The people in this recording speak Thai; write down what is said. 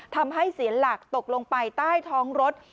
ทำให้เสียหลักตกลงไปใต้ท้องรถ